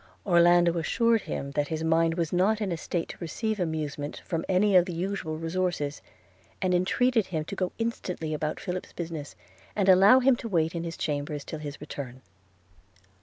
– Orlando assured him that his mind was not in a state to receive amusement from any of the usual resources; and entreated him to go instantly about Philip's business, and allow him to wait in his chambers till his return.